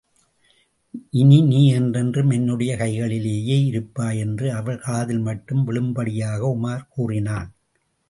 இனி நீ என்றென்றும் என்னுடைய கைகளிலேயே இருப்பாய்! என்று அவள் காதில் மட்டும் விழும்படியாக உமார் கூறினான்.